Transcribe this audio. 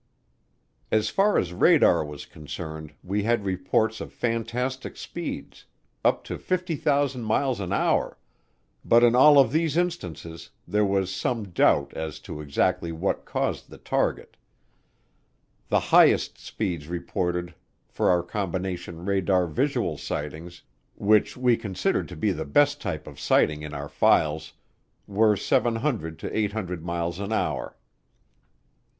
As far as radar was concerned, we had reports of fantastic speeds up to 50,000 miles an hour but in all of these instances there was some doubt as to exactly what caused the target. The highest speeds reported for our combination radar visual sightings, which we considered to be the best type of sighting in our files, were 700 to 800 miles an hour.